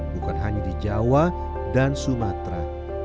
bukan hanya di jawa dan sumatera